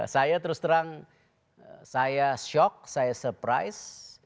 saya terus terang saya shock saya surprise